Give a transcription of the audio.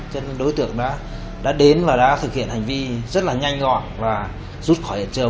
cho nên đối tượng đã đến và thực hiện hành vi rất là nhanh gọn và rút khỏi nạn nhân